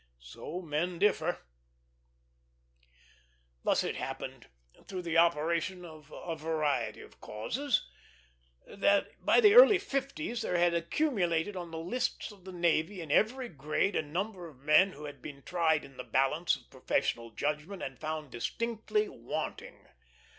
So men differ. Thus it happened, through the operation of a variety of causes, that by the early fifties there had accumulated on the lists of the navy, in every grade, a number of men who had been tried in the balance of professional judgment and found distinctly wanting.